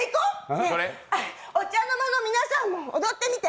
ねえ、お茶の間の皆さんも踊ってみて。